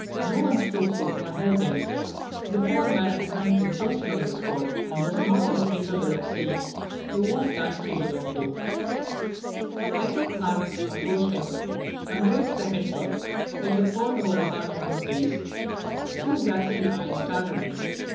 No one spoke to or helped him. The poor man had sunk exhausted on this spot, and was no longer capable of saying to what caste he belonged. I took heart, approached him, and raised the head cloth, which had fallen over a part of his face; two glassy eyes stared at me.